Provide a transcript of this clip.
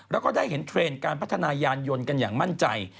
แล้วก็ได้เห็นเทรนด์การพัฒนายานยนต์กันอย่างมั่นใจ